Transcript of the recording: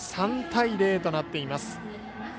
３対０となっています。